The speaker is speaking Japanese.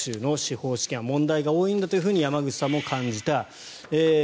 そして、ニューヨーク州の司法試験は問題が多いんだと山口さんも感じた。